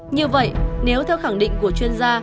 như vậy nếu theo khẳng định của chuyên gia